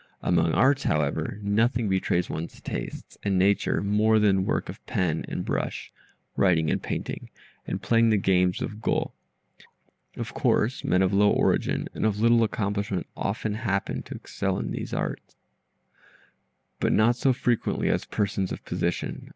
Among arts, however, nothing betrays one's tastes and nature more than work of pen or brush (writing and painting), and playing the game of Go. Of course men of low origin, and of little accomplishment, often happen to excel in these arts, but not so frequently as persons of position.